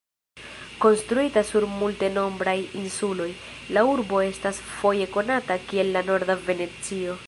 Konstruita sur multenombraj insuloj, la urbo estas foje konata kiel "la Norda Venecio".